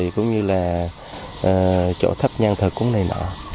cũng như là chỗ thách nhan thật cũng này nọ